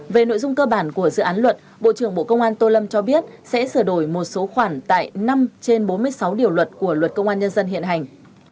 về nội dung cơ bản của dự án luật bộ trưởng bộ công an tô lâm cho biết sẽ sửa đổi một số khoản tại năm trên bốn mươi sáu điều luật của luật công an nhân dân hiện hành